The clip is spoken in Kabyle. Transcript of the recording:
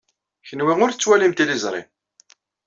Kenwi ur tettwalim tiliẓri.